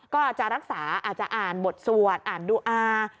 ก็จะรักษาอาจจะอ่านบทสวดอ่านดูอา